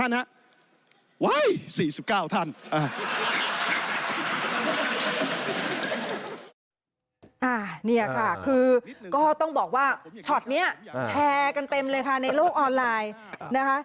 นี่ค่ะคือก็ต้องบอกว่าช็อตนี้แชร์กันเต็มเลยค่ะในโลกออนไลน์นะคะ